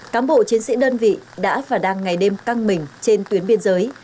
cám bộ chiến sĩ đơn vị đã và đang ngày đêm căng mình trên tuyến biên giới